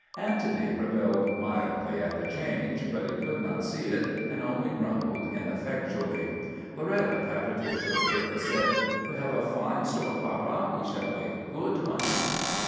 Antony rebelled mildly at the change, but he could not see it and only grumbled ineffectually. Loretta patted his shoulder and said, " We have a fine store, papa. We shall make good money."